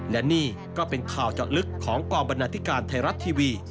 และนี่ก็เป็นข่าวจอดลึกของกรบนาฬิการไทยรัตน์ทีวี